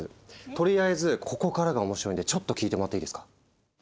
とりあえずここからが面白いんでちょっと聞いてもらっていいですか。